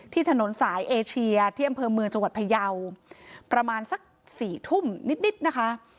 ถนนสายเอเชียที่อำเภอเมืองจังหวัดพยาวประมาณสัก๔ทุ่มนิดนะคะ